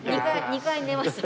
２回寝ました。